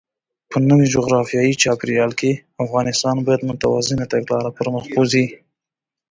په نوي جغرافیايي چاپېریال کې، افغانستان باید متوازنه تګلاره پرمخ بوځي.